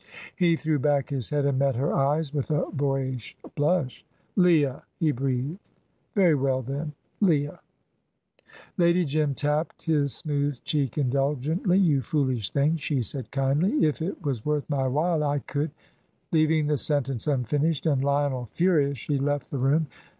He threw back his head and met her eyes, with a boyish blush. "Leah!" he breathed. "Very well, then Leah." Lady Jim tapped his smooth cheek indulgently. "You foolish thing," she said, kindly; "if it was worth my while, I could " Leaving the sentence unfinished and Lionel furious, she left the room.